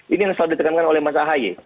ini yang selalu ditekan tengan oleh mas ahy